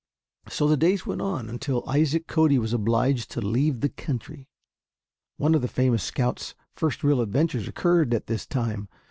So the days went on until Isaac Cody was obliged to leave the country. One of the famous scout's first real adventures occurred at this time.